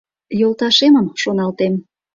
Йолташемым шоналтем.